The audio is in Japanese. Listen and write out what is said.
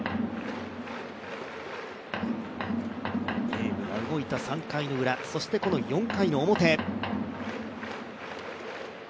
ゲームが動いた３回のウラそして４回の表。